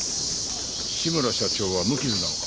志村社長は無傷なのか？